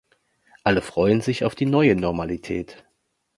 Alle freuen sich auf die neue Normalität.